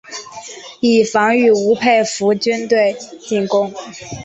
以防御吴佩孚军队进攻。